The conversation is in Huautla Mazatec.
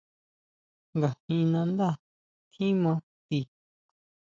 ¿Ngajin nandá tjima ti?